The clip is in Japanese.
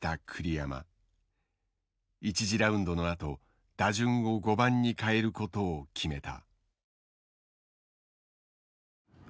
１次ラウンドのあと打順を５番に変えることを決めた。